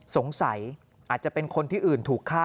สงสัยอาจจะเป็นคนที่อื่นถูกฆ่า